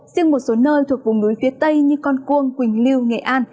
riêng một số nơi thuộc vùng núi phía tây như con cuông quỳnh lưu nghệ an